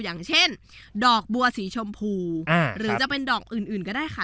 อย่างเช่นดอกบัวสีชมพูหรือจะเป็นดอกอื่นก็ได้ค่ะ